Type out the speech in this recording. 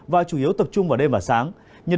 và chủ yếu tập trung vào đêm và sáng